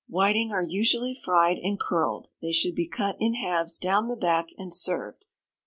Whiting are usually fried and curled; they should be cut in halves down the back, and served.